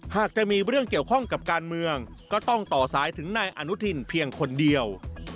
หากจะมีเรื่องเกี่ยวข้องกับการเมืองก็ต้องต่อสายถึงนายอนุทินเพียงคนเดียว